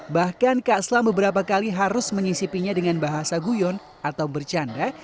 bahkan kak selam beberapa kali harus menyisipinya dengan bahasa guyon atau bercanda